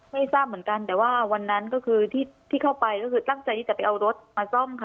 ไม่ทราบเหมือนกันแต่ว่าวันนั้นก็คือที่เข้าไปก็คือตั้งใจที่จะไปเอารถมาซ่อมค่ะ